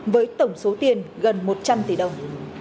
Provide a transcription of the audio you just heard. với tổng số tiền gần một trăm linh tỷ đồng